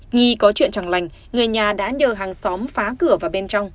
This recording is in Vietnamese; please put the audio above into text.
nghi có chuyện chẳng lành người nhà đã nhờ hàng xóm phá cửa vào bên trong